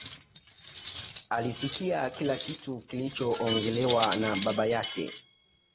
Alisikia kila kitu kilichoongelewa na baba yake